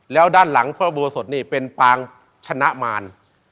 แล้วด้านหลังพระอุโบสถนี่เป็นปางชนะมาร